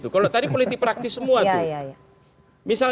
kalau tadi politik praktis semua tuh